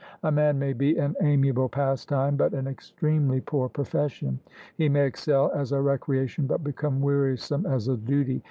A man may be an admirable pastime but an extremely poor profession. He may excel as a recreation but become wearisome as a duty.